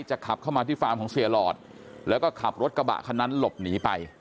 ขับเข้ามาที่ฟาร์มของเสียหลอดแล้วก็ขับรถกระบะคันนั้นหลบหนีไป